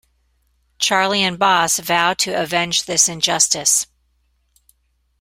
Charley and Boss vow to avenge this injustice.